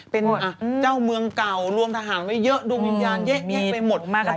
เป็นเจ้าเมืองเก่ารวมทหารไว้เยอะดวงวิญญาณเยอะแยะไปหมด